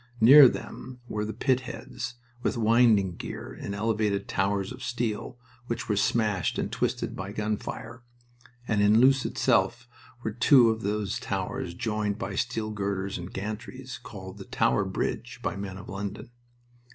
Near them were the pit heads, with winding gear in elevated towers of steel which were smashed and twisted by gun fire; and in Loos itself were two of those towers joined by steel girders and gantries, called the "Tower Bridge" by men of London.